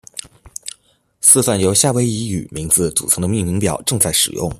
四份由夏威夷语名字组成的命名表正在使用。